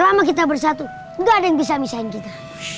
sama kita bersatu gak ada yang bisa misahin kita